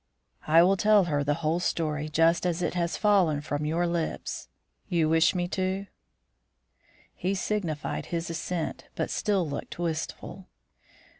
"I will tell her the whole story just as it has fallen from your lips. You wish me to?" He signified his assent, but still looked wistful.